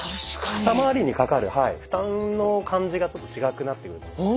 肩まわりにかかる負担の感じがちょっと違くなってくると思いますね。